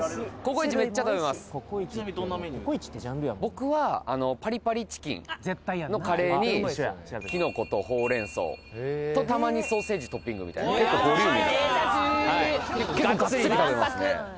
僕はパリパリチキンのカレーにきのことほうれん草とたまにソーセージトッピングみたいな結構ボリューミーなはい結構ガッツリ食べますね